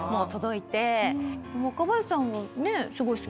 若林さんがねえすごい好き。